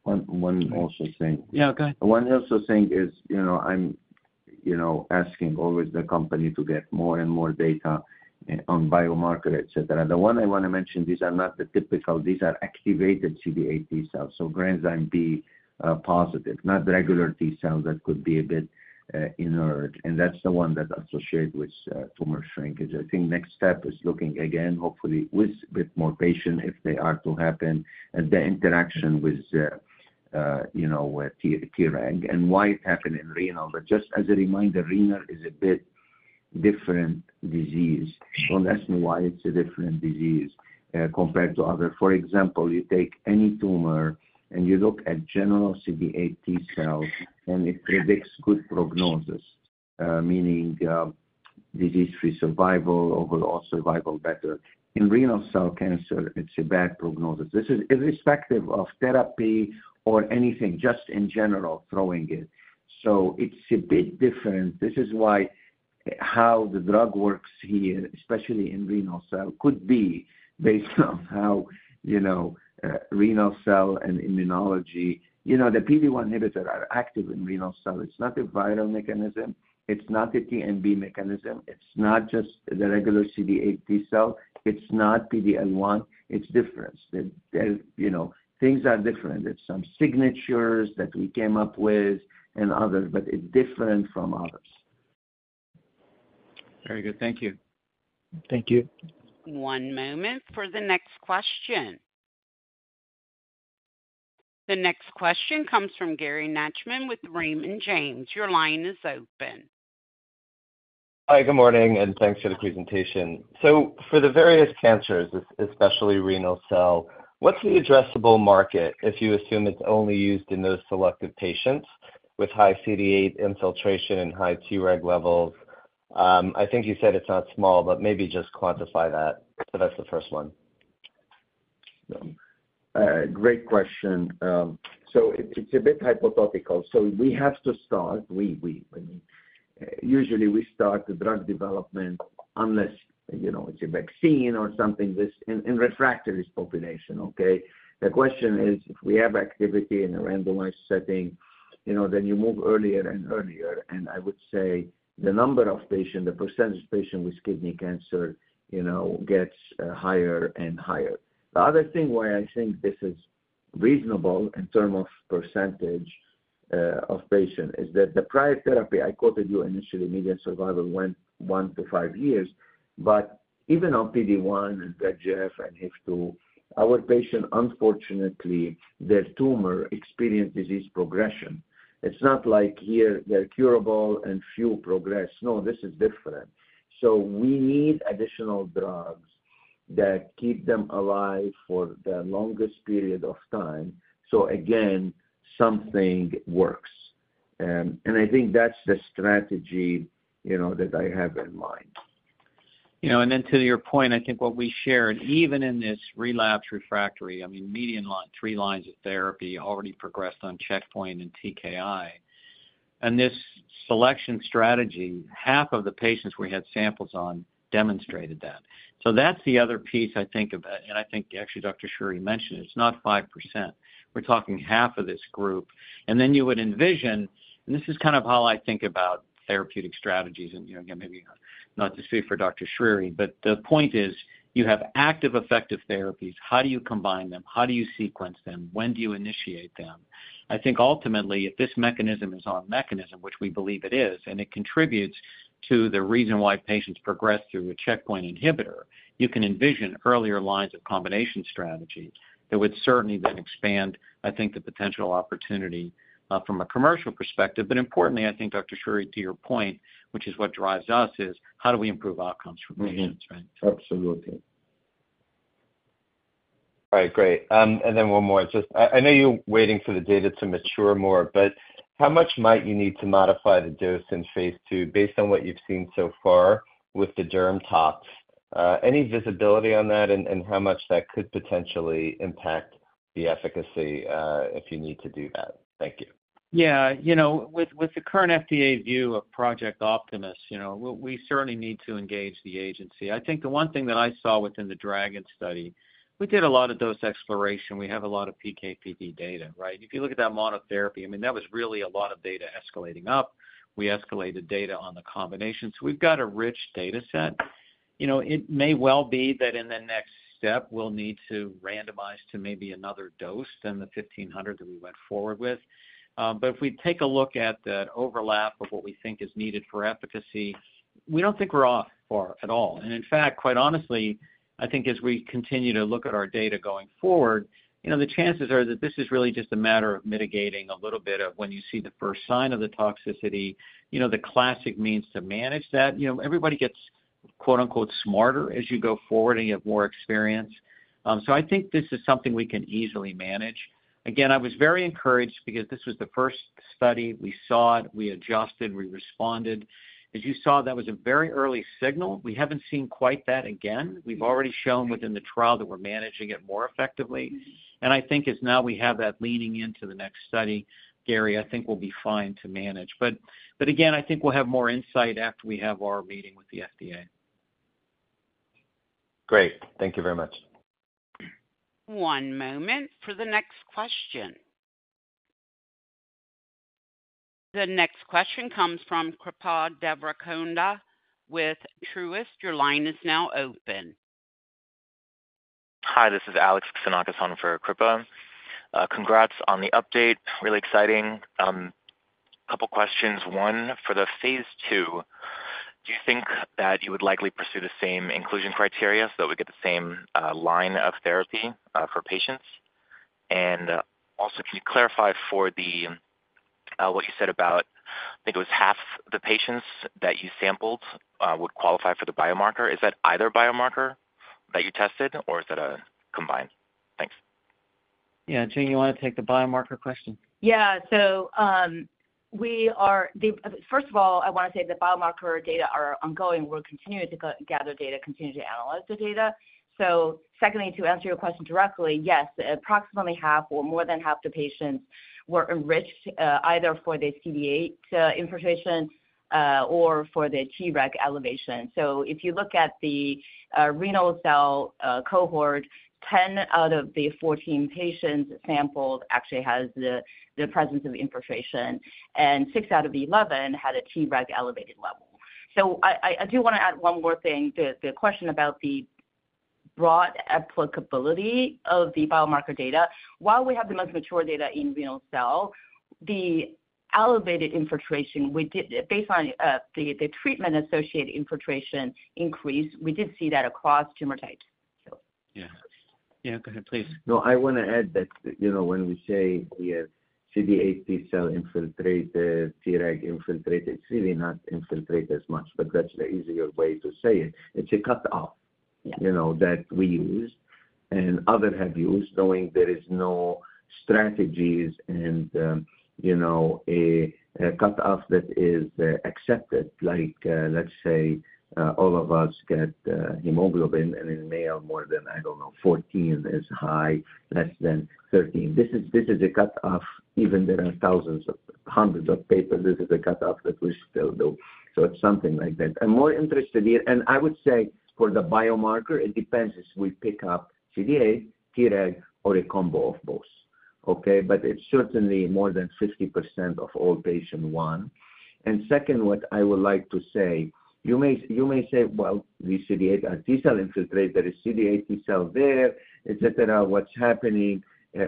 One other thing- Yeah, go ahead. One other thing is, you know, I'm always asking the company to get more and more data on biomarker, et cetera. The one I wanna mention, these are not the typical, these are activated CD8+ T cells, so Granzyme B positive, not the regular T cells that could be a bit inert, and that's the one that's associated with tumor shrinkage. I think next step is looking again, hopefully, with a bit more patients, if they are to happen, and the interaction with, you know, with Treg, and why it happened in renal. But just as a reminder, renal is a bit different disease. Don't ask me why it's a different disease compared to others. For example, you take any tumor and you look at general CD8+ T cells, and it predicts good prognosis, meaning disease-free survival, overall survival better. In renal cell cancer, it's a bad prognosis. This is irrespective of therapy or anything, just in general, throwing it. So it's a bit different. This is why, how the drug works here, especially in renal cell, could be based on how, you know, renal cell and immunology... You know, the PD-1 inhibitor are active in renal cell. It's not a viral mechanism. It's not a TMB mechanism. It's not just the regular CD8 T cell. It's not PD-L1. It's different. The, you know, things are different. There's some signatures that we came up with and others, but it's different from others. Very good. Thank you. Thank you. One moment for the next question. The next question comes from Gary Nachman with Raymond James. Your line is open. Hi, good morning, and thanks for the presentation. So for the various cancers, especially renal cell, what's the addressable market if you assume it's only used in those selected patients with high CD8 infiltration and high Treg levels? I think you said it's not small, but maybe just quantify that. So that's the first one. Great question. So it's a bit hypothetical. So we have to start, usually we start the drug development, unless, you know, it's a vaccine or something, this in refractory population, okay? The question is, if we have activity in a randomized setting, you know, then you move earlier and earlier, and I would say the number of patients, the percentage of patients with kidney cancer, you know, gets higher and higher. The other thing why I think this is reasonable in terms of percentage of patients is that the prior therapy, I quoted you initially, median survival went 1-5 years. But even on PD-1 and VEGF and HIF-2, our patients, unfortunately, their tumor experienced disease progression. It's not like here they're curable and few progress. No, this is different. So we need additional drugs that keep them alive for the longest period of time. So again, something works. And I think that's the strategy, you know, that I have in mind. You know, and then to your point, I think what we shared, even in this relapse refractory, I mean, median line, 3 lines of therapy already progressed on checkpoint and TKI. And this selection strategy, half of the patients we had samples on demonstrated that. So that's the other piece I think of, and I think actually Dr. Choueiri mentioned it, it's not 5%. We're talking half of this group. And then you would envision, and this is kind of how I think about therapeutic strategies, and, you know, again, maybe not to say for Dr. Choueiri, but the point is, you have active effective therapies. How do you combine them? How do you sequence them? When do you initiate them? I think ultimately, if this mechanism is our mechanism, which we believe it is, and it contributes to the reason why patients progress through a checkpoint inhibitor, you can envision earlier lines of combination strategy that would certainly then expand, I think, the potential opportunity, from a commercial perspective. But importantly, I think, Dr. Choueiri, to your point, which is what drives us, is how do we improve outcomes for patients, right? Absolutely. All right, great. And then one more. Just, I know you're waiting for the data to mature more, but how much might you need to modify the dose in phase II based on what you've seen so far with the derm tox? Any visibility on that and how much that could potentially impact the efficacy, if you need to do that? Thank you. Yeah, you know, with, with the current FDA view of Project Optimus, you know, we, we certainly need to engage the agency. I think the one thing that I saw within the DRAGON study, we did a lot of dose exploration. We have a lot of PK/PD data, right? If you look at that monotherapy, I mean, that was really a lot of data escalating up. We escalated data on the combination, so we've got a rich data set. You know, it may well be that in the next step, we'll need to randomize to maybe another dose than the 1500 that we went forward with. But if we take a look at the overlap of what we think is needed for efficacy, we don't think we're off far at all. In fact, quite honestly, I think as we continue to look at our data going forward, you know, the chances are that this is really just a matter of mitigating a little bit of when you see the first sign of the toxicity, you know, the classic means to manage that. You know, everybody gets, quote, unquote, "smarter" as you go forward and you have more experience. So I think this is something we can easily manage. Again, I was very encouraged because this was the first study. We saw it, we adjusted, we responded. As you saw, that was a very early signal. We haven't seen quite that again. We've already shown within the trial that we're managing it more effectively. I think as now we have that leading into the next study, Gary, I think we'll be fine to manage. But again, I think we'll have more insight after we have our meeting with the FDA.... Great. Thank you very much. One moment for the next question. The next question comes from Kripa Devarakonda with Truist. Your line is now open. Hi, this is Alex Xenakis for Kripa. Congrats on the update. Really exciting. Couple questions. One, for the phase II, do you think that you would likely pursue the same inclusion criteria, so we get the same line of therapy for patients? And also, can you clarify what you said about, I think it was half the patients that you sampled, would qualify for the biomarker? Is that either biomarker that you tested, or is it a combined? Thanks. Yeah, Jing, you want to take the biomarker question? Yeah. So, we are the first of all, I want to say the biomarker data are ongoing. We're continuing to gather data, continue to analyze the data. So secondly, to answer your question directly, yes, approximately half or more than half the patients were enriched, either for the CD8 infiltration, or for the Treg elevation. So if you look at the renal cell cohort, 10 out of the 14 patients sampled actually has the presence of infiltration, and 6 out of 11 had a Treg elevated level. So I do want to add one more thing to the question about the broad applicability of the biomarker data. While we have the most mature data in renal cell, the elevated infiltration based on the treatment-associated infiltration increase, we did see that across tumor types, so. Yeah. Yeah, go ahead, please. No, I want to add that, you know, when we say we have CD8 T cell infiltrated, Treg infiltrated, it's really not infiltrated as much, but that's the easier way to say it. It's a cut off. Yeah. You know, that we use and others have used, knowing there is no strategies and, you know, a cut off that is accepted. Like, let's say, all of us get hemoglobin, and in male, more than, I don't know, 14 is high, less than 13. This is, this is a cut off, even there are thousands of, hundreds of papers, this is a cut off that we still do. So it's something like that. I'm more interested here, and I would say for the biomarker, it depends if we pick up CD8, Treg, or a combo of both, okay? But it's certainly more than 50% of all patient one. And second, what I would like to say, you may, you may say, Well, the CD8 T cell infiltrate, there is CD8 T cell there, et cetera. What's happening?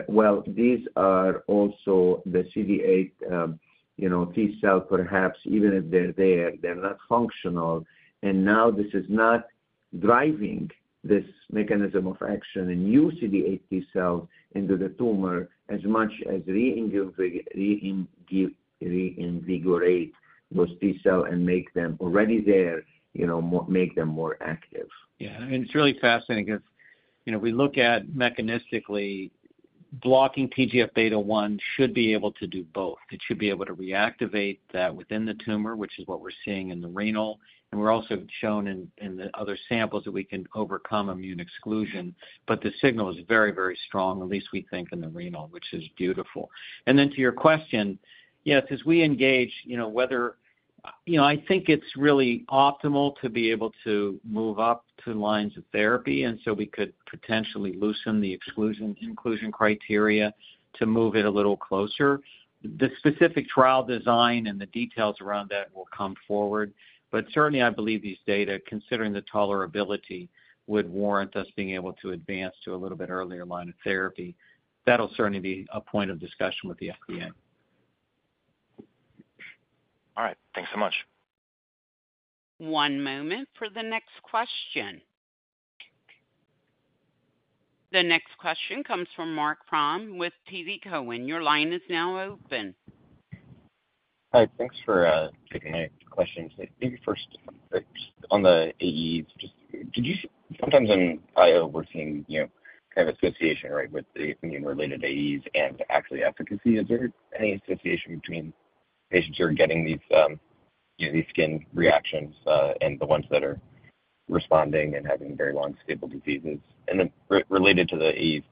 Well, these are also the CD8, you know, T cell, perhaps even if they're there, they're not functional. And now, this is not driving this mechanism of action, a new CD8 T cell into the tumor as much as reinvigorate those T cell and make them already there, you know, more, make them more active. Yeah, and it's really fascinating because, you know, we look at mechanistically, blocking TGF-beta 1 should be able to do both. It should be able to reactivate that within the tumor, which is what we're seeing in the renal, and we're also shown in, in the other samples that we can overcome immune exclusion. But the signal is very, very strong, at least we think, in the renal, which is beautiful. And then to your question, yes, as we engage, you know, whether... You know, I think it's really optimal to be able to move up to lines of therapy, and so we could potentially loosen the exclusion, inclusion criteria to move it a little closer. The specific trial design and the details around that will come forward, but certainly I believe these data, considering the tolerability, would warrant us being able to advance to a little bit earlier line of therapy. That'll certainly be a point of discussion with the FDA. All right. Thanks so much. One moment for the next question. The next question comes from Marc Frahm with TD Cowen. Your line is now open. Hi. Thanks for taking my question. Maybe first, on the AEs, sometimes in IO, we're seeing, you know, kind of association, right, with the immune-related AEs and actually efficacy. Is there any association between patients who are getting these, you know, these skin reactions, and the ones that are responding and having very long, stable diseases? And then related to the AEs,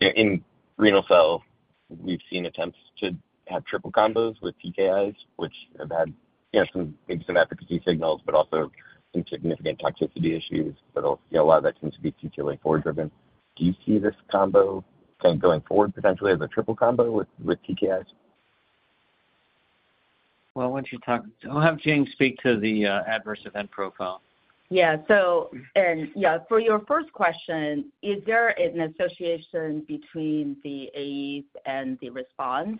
in renal cell, we've seen attempts to have triple combos with TKIs, which have had, you know, some, maybe some efficacy signals, but also some significant toxicity issues. But, you know, a lot of that seems to be CTLA-4 driven. Do you see this combo kind of going forward potentially as a triple combo with TKIs? Well, why don't you talk... I'll have Jing speak to the adverse event profile. Yeah. So, for your first question, is there an association between the AEs and the response?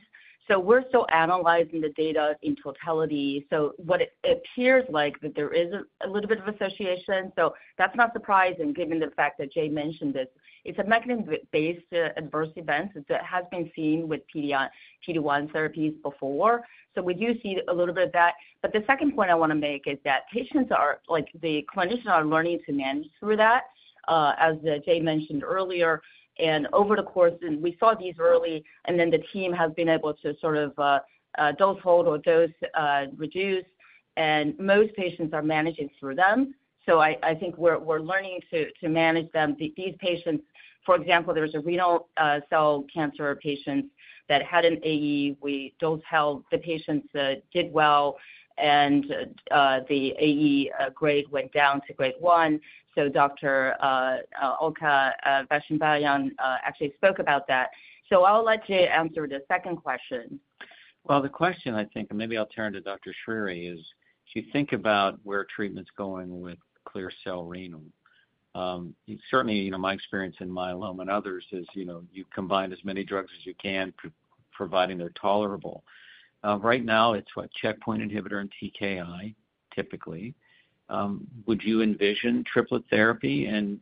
So we're still analyzing the data in totality. So what it appears like is that there is a little bit of association. So that's not surprising given the fact that Jay mentioned it. It's a mechanism-based adverse event that has been seen with PD-1 therapies before. So we do see a little bit of that. But the second point I want to make is that patients are, like, the clinicians are learning to manage through that, as Jay mentioned earlier. And over the course, and we saw these early, and then the team has been able to sort of dose hold or dose reduce, and most patients are managing through them. So I think we're learning to manage them. These patients, for example, there was a renal cell cancer patient that had an AE. We dose held the patients, did well, and the AE grade went down to grade one. So Dr. Ulka Vaishampayan actually spoke about that. So I'll let Jay answer the second question. Well, the question, I think, and maybe I'll turn to Dr. Choueiri, is: If you think about where treatment's going with clear cell renal-... Certainly, you know, my experience in myeloma and others is, you know, you combine as many drugs as you can providing they're tolerable. Right now, it's what? Checkpoint inhibitor and TKI, typically. Would you envision triplet therapy? And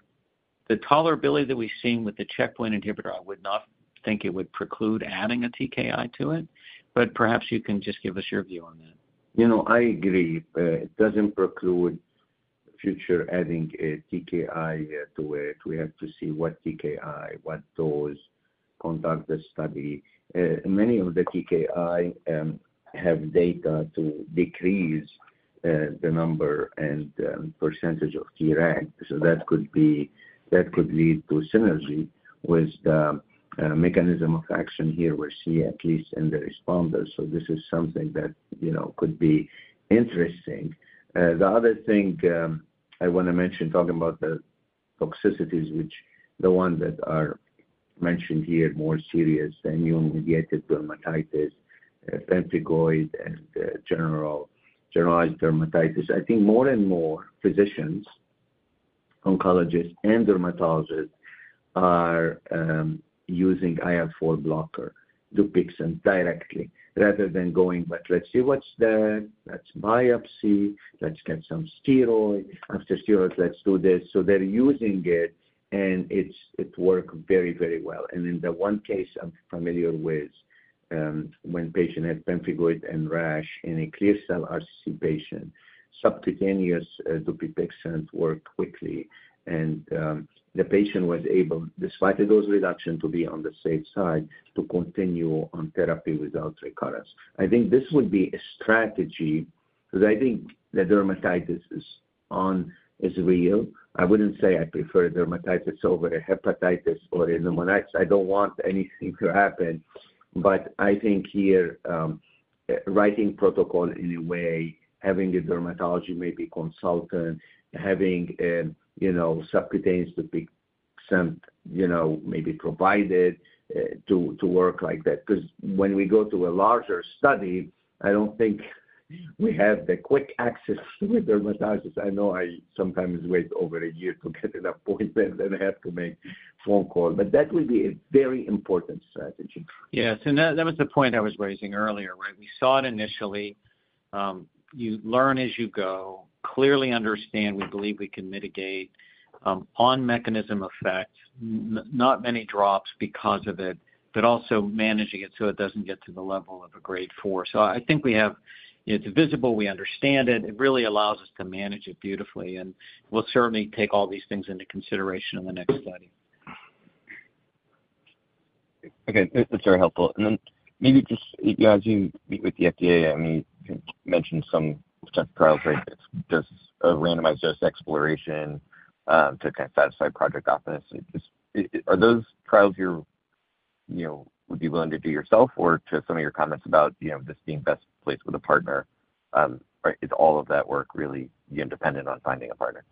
the tolerability that we've seen with the checkpoint inhibitor, I would not think it would preclude adding a TKI to it, but perhaps you can just give us your view on that. You know, I agree. It doesn't preclude future adding a TKI to it. We have to see what TKI, what dose, conduct the study. Many of the TKI have data to decrease the number and percentage of Treg, so that could lead to synergy with the mechanism of action here we see at least in the responders, so this is something that, you know, could be interesting. The other thing I wanna mention, talking about the toxicities, which the ones that are mentioned here more serious than immune-mediated dermatitis, pemphigoid, and generalized dermatitis. I think more and more physicians, oncologists, and dermatologists are using IL-4 blocker, Dupixent, directly, rather than going, "But let's see what's that. Let's biopsy. Let's get some steroid. After steroids, let's do this." So they're using it, and it's- it work very, very well. And in the one case I'm familiar with, when patient had pemphigoid and rash in a clear cell RCC patient, subcutaneous Dupixent worked quickly, and the patient was able, despite the dose reduction, to be on the safe side, to continue on therapy without recurrence. I think this would be a strategy, because I think the dermatitis is on, is real. I wouldn't say I prefer dermatitis over a hepatitis or a pneumonitis. I don't want anything to happen, but I think here, writing protocol in a way, having a dermatology maybe consultant, having you know, subcutaneous Dupixent, you know, maybe provided to work like that. Because when we go to a larger study, I don't think we have the quick access with dermatologists. I know I sometimes wait over a year to get an appointment, and I have to make phone call. But that would be a very important strategy. Yes, and that, that was the point I was raising earlier, right? We saw it initially. You learn as you go, clearly understand we believe we can mitigate, on mechanism effect, not many drops because of it, but also managing it so it doesn't get to the level of a grade four. So I think we have... It's visible, we understand it. It really allows us to manage it beautifully, and we'll certainly take all these things into consideration in the next study. Okay, that's very helpful. And then maybe just, you know, as you meet with the FDA, I mean, you mentioned some type of trials, right? Just a randomized dose exploration, to kind of satisfy Project Optimus. Just, are those trials you're, you know, would be willing to do yourself or to some of your comments about, you know, this being best placed with a partner, or is all of that work really be independent on finding a partner?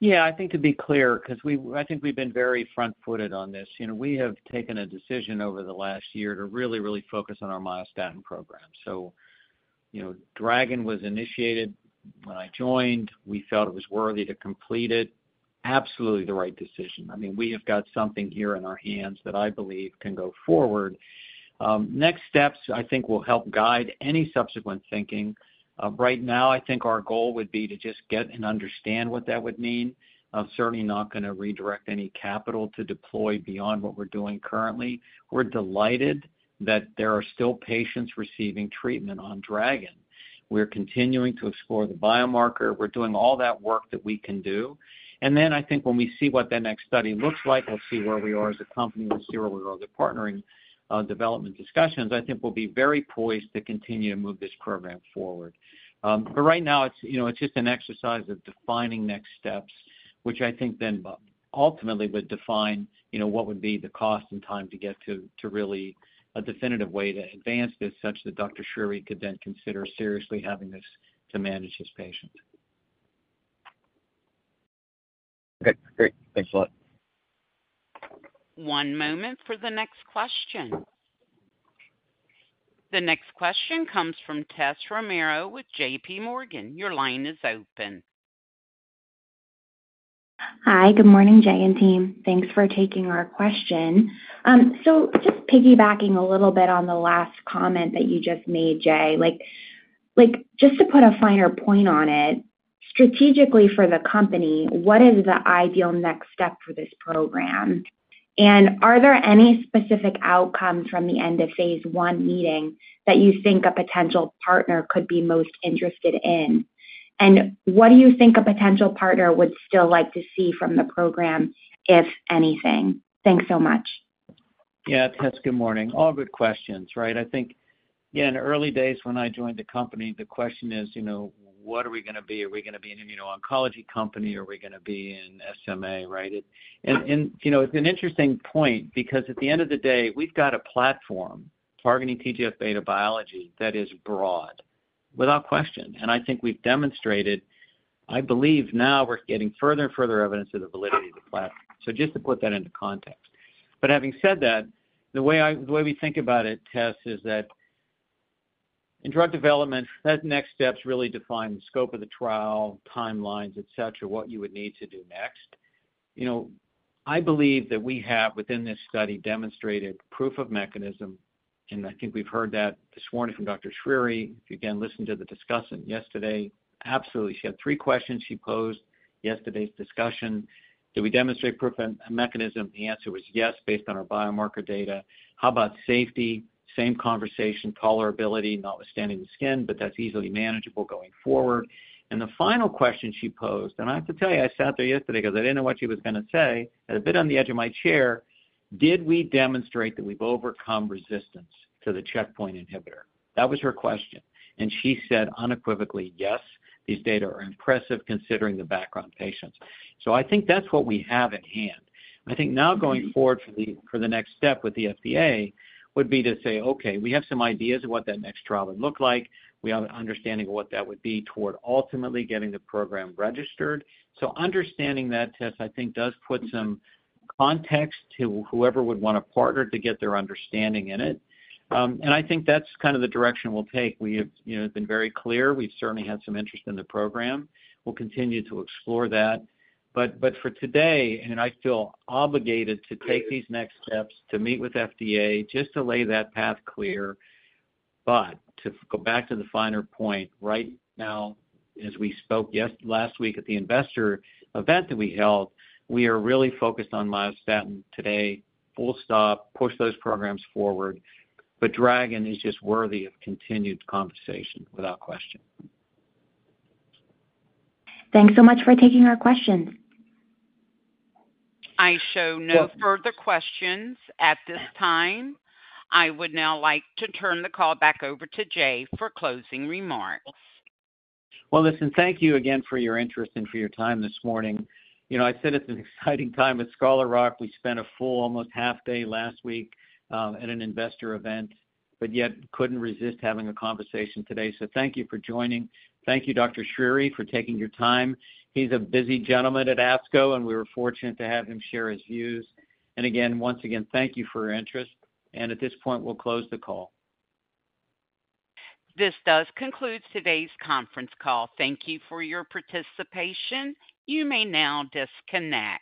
Yeah, I think to be clear, 'cause I think we've been very front-footed on this. You know, we have taken a decision over the last year to really, really focus on our myostatin program. So, you know, DRAGON was initiated when I joined. We felt it was worthy to complete it. Absolutely the right decision. I mean, we have got something here in our hands that I believe can go forward. Next steps, I think, will help guide any subsequent thinking. Right now, I think our goal would be to just get and understand what that would mean. I'm certainly not gonna redirect any capital to deploy beyond what we're doing currently. We're delighted that there are still patients receiving treatment on DRAGON. We're continuing to explore the biomarker. We're doing all that work that we can do. Then I think when we see what that next study looks like, we'll see where we are as a company, we'll see where we are with the partnering, development discussions. I think we'll be very poised to continue to move this program forward. But right now, it's, you know, it's just an exercise of defining next steps, which I think then, ultimately would define, you know, what would be the cost and time to get to, to really a definitive way to advance this, such that Dr. Choueiri could then consider seriously having this to manage his patients. Okay, great. Thanks a lot. One moment for the next question. The next question comes from Tessa Romero with J.P. Morgan. Your line is open. Hi, good morning, Jay and team. Thanks for taking our question. So just piggybacking a little bit on the last comment that you just made, Jay, like, just to put a finer point on it, strategically for the company, what is the ideal next step for this program? And are there any specific outcomes from the end of phase I meeting that you think a potential partner could be most interested in? And what do you think a potential partner would still like to see from the program, if anything? Thanks so much. Yeah, Tess, good morning. All good questions, right? I think, yeah, in the early days when I joined the company, the question is, you know, what are we gonna be? Are we gonna be an immuno-oncology company? Are we gonna be in SMA, right? And, you know, it's an interesting point because at the end of the day, we've got a platform targeting TGF-beta biology that is broad, without question. And I think we've demonstrated, I believe now we're getting further and further evidence of the validity of the platform. So just to put that into context. But having said that, the way we think about it, Tess, is that... In drug development, that next steps really define the scope of the trial, timelines, et cetera, what you would need to do next. You know, I believe that we have, within this study, demonstrated proof of mechanism, and I think we've heard that this morning from Dr. Choueiri. If you, again, listened to the discussion yesterday, absolutely. She had three questions she posed yesterday's discussion. Did we demonstrate proof of mechanism? The answer was yes, based on our biomarker data. How about safety? Same conversation, tolerability, notwithstanding the skin, but that's easily manageable going forward. And the final question she posed, and I have to tell you, I sat there yesterday because I didn't know what she was gonna say, and a bit on the edge of my chair: Did we demonstrate that we've overcome resistance to the checkpoint inhibitor? That was her question, and she said unequivocally, "Yes, these data are impressive considering the background patients." So I think that's what we have at hand. I think now going forward for the, for the next step with the FDA, would be to say, "Okay, we have some ideas of what that next trial would look like. We have an understanding of what that would be toward ultimately getting the program registered." So understanding that test, I think, does put some context to whoever would want to partner to get their understanding in it. And I think that's kind of the direction we'll take. We have, you know, been very clear. We've certainly had some interest in the program. We'll continue to explore that. But for today, and I feel obligated to take these next steps to meet with FDA, just to lay that path clear. But to go back to the finer point, right now, as we spoke last week at the investor event that we held, we are really focused on myostatin today, full stop, push those programs forward. But DRAGON is just worthy of continued conversation, without question. Thanks so much for taking our questions. I show no further questions at this time. I would now like to turn the call back over to Jay for closing remarks. Well, listen, thank you again for your interest and for your time this morning. You know, I said it's an exciting time at Scholar Rock. We spent a full, almost half day last week at an investor event, but yet couldn't resist having a conversation today. So thank you for joining. Thank you, Dr. Choueiri, for taking your time. He's a busy gentleman at ASCO, and we were fortunate to have him share his views. And again, once again, thank you for your interest, and at this point, we'll close the call. This does conclude today's conference call. Thank you for your participation. You may now disconnect.